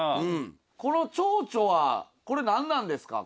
この蝶々はこれ何なんですか？